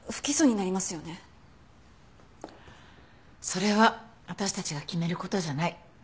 それは私たちが決める事じゃない。